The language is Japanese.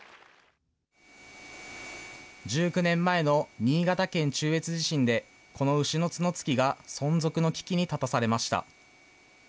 １９年前の新潟県中越地震で、この牛の角突きが、存続の危機に立たされました。